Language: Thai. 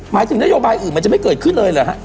หมายถึงนโยบายอื่นมันจะไม่เกิดขึ้นเลยเหรอฮะ